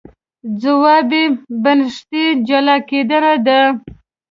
ځواب یې بنسټي جلا کېدنه ده.